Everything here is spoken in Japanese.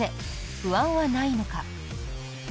不安はないのか？